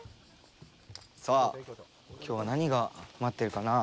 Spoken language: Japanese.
さあ、きょうは何が待ってるかなあ。